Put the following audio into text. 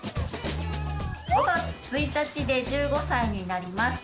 ５月１日で１５歳になります。